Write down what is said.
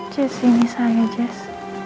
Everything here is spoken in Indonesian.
jess ini saya jess